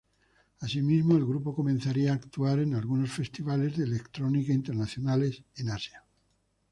Asimismo el grupo comenzaría a actuar en algunos festivales de electrónica internacionales en Asia.